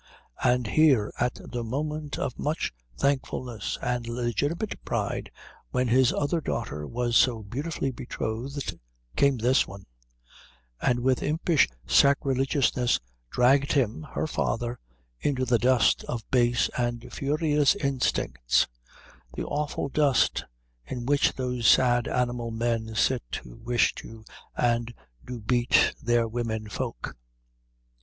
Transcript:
And here at the moment of much thankfulness and legitimate pride when his other daughter was so beautifully betrothed came this one, and with impish sacrilegiousness dragged him, her father, into the dust of base and furious instincts, the awful dust in which those sad animal men sit who wish to and do beat their women folk.